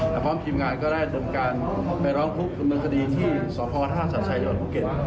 กับพร้อมพิมงานก็ได้ด้วยการไปล้องพลุกกรุมคดีที่สตภาคศาสตร์ชายหย่อนบุกริเก็ต